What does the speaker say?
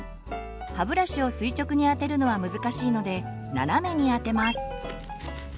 歯ブラシを垂直に当てるのは難しいので斜めに当てます。